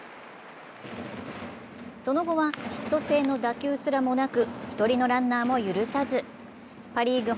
その後はヒット性の打球すらもなく１人のランナーも許さずパ・リーグ